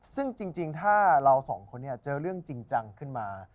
ซึ่งจริงถ้าเราสองคนเจอเรื่องจริงจังขึ้นมา